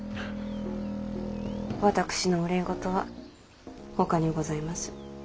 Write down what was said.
私の憂い事はほかにございます。